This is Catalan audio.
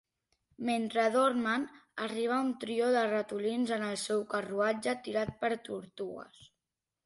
Mentre dormen, arriba un trio de ratolins en el seu carruatge tirat per tortugues.